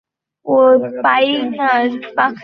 এশিয়াতে এই পাখনার চাহিদা ব্যাপক।